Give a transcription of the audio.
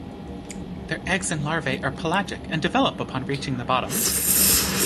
Their eggs and larvae are pelagic and develop upon reaching the bottom.